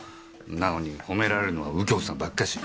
なのに褒められるのは右京さんばっかし。